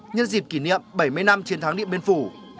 nhân dịp kỷ niệm bảy mươi năm chiến thắng điện biên phủ